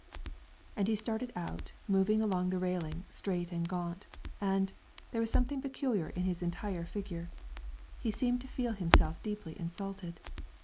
And he started out, moving along the railing, straight and gaunt, and, there was something peculiar in his entire figure. He seemed to feel himself deeply insulted.